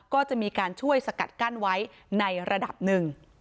ก็จะมีการช่วยสกัดกั้นไว้ในระดับหนึ่ง